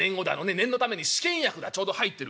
念のために試験薬がちょうど入ってる。